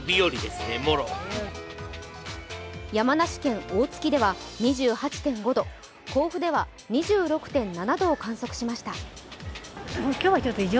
山梨県大月では２８．５度甲府では２６．７度を観測しました。